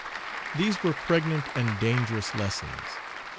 These were pregnant and dangerous lessons.